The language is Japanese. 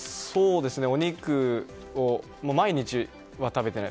お肉を毎日は食べていない。